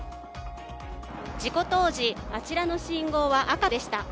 事故当時、あちらの信号は赤でした。